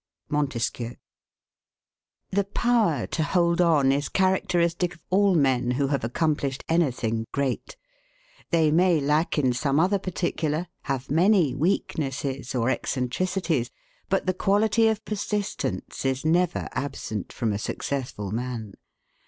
Montesquieu. The power to hold on is characteristic of all men who have accomplished anything great; they may lack in some other particular, have many weaknesses or eccentricities, but the quality of persistence is never absent from a successful man.